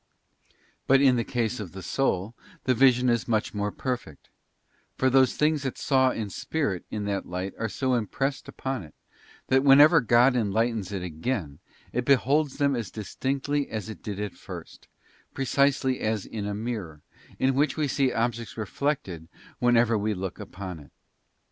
But in the case of the soul the vision is much more perfect; for those things it saw in spirit in that light are so impressed upon it, that whenever God enlightens it again, it beholds them as distinctly as it did at first, precisely as in a mirfor, in which we see objects reflected whenever we look upon it.